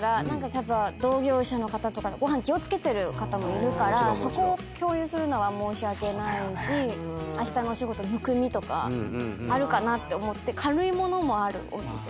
やっぱ同業者の方とかご飯気を付けてる方もいるからそこを共有するのは申し訳ないしあしたのお仕事むくみとかあるかなって思って軽い物もあるお店とか。